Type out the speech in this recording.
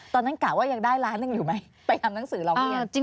กะว่ายังได้ล้านหนึ่งอยู่ไหมไปทำหนังสือร้องเรียน